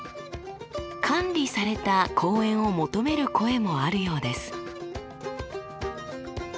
管理された公園を求める声もあるようです。